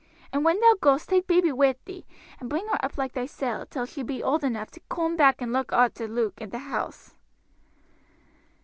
And when thou goest take baby wi' thee and bring her up like thysel till she be old enough to coom back and look arter Luke and the house."